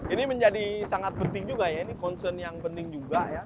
ini menjadi sangat penting juga ya ini concern yang penting juga ya